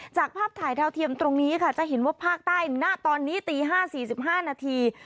จากภาพถ่ายเท่าเทียมตรงนี้ค่ะจะเห็นว่าภาคใต้หนึ่งหน้าตอนนี้ตี๕๔๕นาที